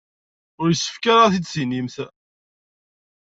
Ur yessefk ara ad t-id-tinimt.